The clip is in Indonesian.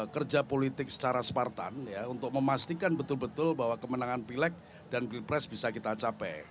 kerja politik secara spartan untuk memastikan betul betul bahwa kemenangan pilek dan pilpres bisa kita capai